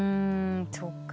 そっか。